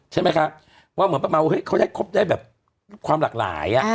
ใช่ไหมคะว่าเหมือนประมาณว่าเฮ้ยเขาได้ครบได้แบบความหลากหลาย